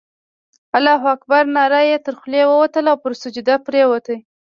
الله اکبر ناره یې تر خولې ووتله او پر سجده پرېوت.